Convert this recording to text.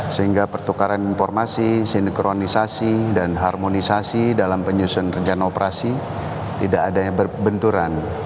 sehingga pertukaran informasi sinkronisasi dan harmonisasi dalam penyusun rencana operasi tidak adanya benturan